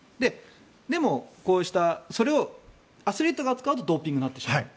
でも、それをアスリートが使うとドーピングになってしまう。